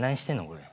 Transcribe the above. これ。